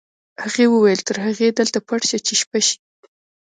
هغې وویل تر هغې دلته پټ شه چې شپه شي